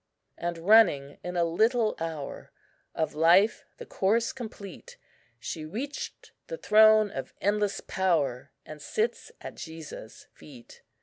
"And running, in a little hour, Of life the course complete, She reached the throne of endless power, And sits at Jesus' feet.